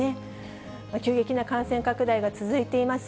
急激な感染拡大が続いています。